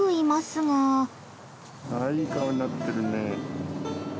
ああいい顔になってるね。